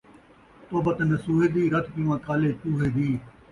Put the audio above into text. توبۃ النصوحے دی، رت پیواں کالے چوہے دی